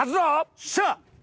よっしゃ！